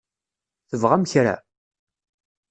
Tebɣam kra?